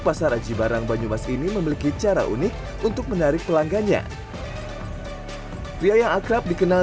pasar aji barang banyumas ini memiliki cara unik untuk menarik pelanggannya pria yang akrab dikenal